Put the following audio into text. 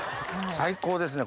最高ですね